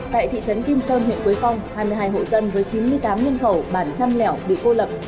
tại thị trấn kim sơn huyện quế phong hai mươi hai hộ dân với chín mươi tám nhân khẩu bản trăm lẻo bị cô lập